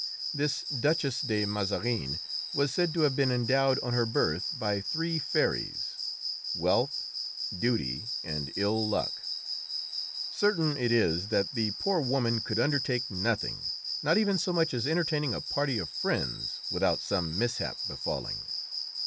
This Duchess de Mazarin was said to have been endowed on her birth by three fairies, Wealth, Duty and Ill luck. Certain it is that the poor woman could undertake nothing, not even so much as entertaining a party of friends, without some mishap befalling.